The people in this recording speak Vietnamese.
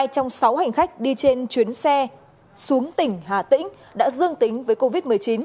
hai trong sáu hành khách đi trên chuyến xe xuống tỉnh hà tĩnh đã dương tính với covid một mươi chín